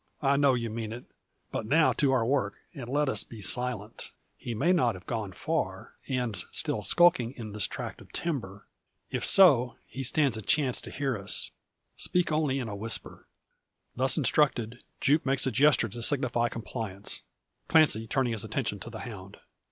I know you mean it. But now to our work; and let us be silent. He may not have gone far, and's still skulking in this tract of timber. If so, he stands a chance to hear us. Speak only in a whisper." Thus instructed, Jupe makes a gesture to signify compliance; Clancy turning his attention to the hound.